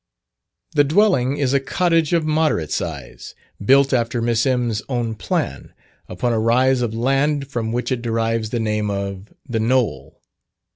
The dwelling is a cottage of moderate size, built after Miss M.'s own plan, upon a rise of land from which it derives the name of "The Knoll."